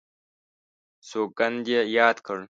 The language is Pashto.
سوګند یې یاد کړ.